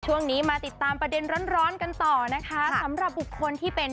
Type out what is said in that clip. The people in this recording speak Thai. ช่วงนี้มาติดตามประเด็นร้อนร้อนกันต่อนะคะสำหรับบุคคลที่เป็น